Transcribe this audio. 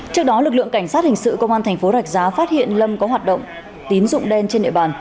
trước đó lực lượng cảnh sát hình sự công an tp rạch giá phát hiện lâm có hoạt động tín dụng đen trên nội bàn